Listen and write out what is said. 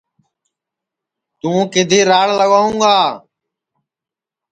توں کِدھی راڑ لاواںٚؤ گا